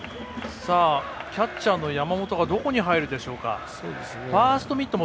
キャッチャーの山本がどこに入るでしょうか。